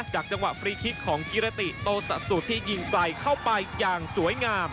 จังหวะฟรีคลิกของกิรติโตสะสุที่ยิงไกลเข้าไปอย่างสวยงาม